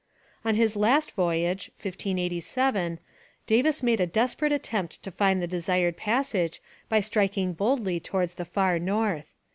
On his last voyage (1587) Davis made a desperate attempt to find the desired passage by striking boldly towards the Far North.